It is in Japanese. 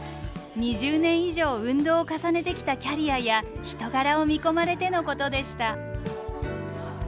２０年以上運動を重ねてきたキャリアや人柄を見込まれてのことでした。